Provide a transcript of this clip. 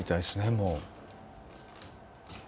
もう。